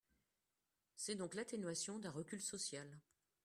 C’est donc l’atténuation d’un recul social.